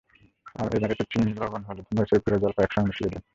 এবার এতে চিনি, লবণ, হলুদ মরিচের গুঁড়া, জলপাই একসঙ্গে মিশিয়ে দিন।